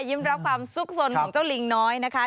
รับความสุขสนของเจ้าลิงน้อยนะคะ